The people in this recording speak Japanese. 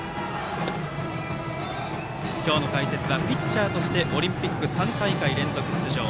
今日の解説はピッチャーとしてオリンピック３大会連続出場